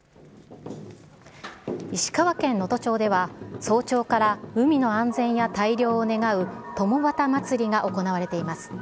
石川県能登町では、早朝から海の安全や大漁を願うとも旗祭りが行われています。